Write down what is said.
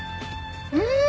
うん！